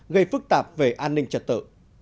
gây phức tạp về an ninh trật tự